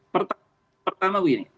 pertama bu yeni